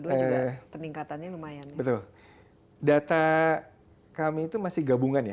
dua juga peningkatannya lumayan data kami itu masih gabungan ya